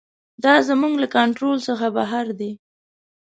دا زموږ له کنټرول څخه بهر دی.